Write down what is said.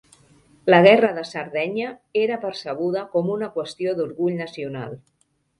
La guerra de Sardenya era percebuda com una qüestió d'orgull nacional.